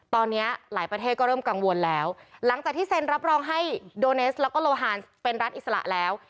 ตอนนี้หลายประเทศก็เริ่มกังวลแล้วหลังจากที่เซ็นรับรองให้โดเนสแล้วก็โลฮานเป็นรัฐอิสระแล้ว